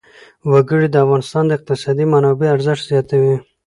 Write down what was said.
وګړي د افغانستان د اقتصادي منابعو ارزښت زیاتوي.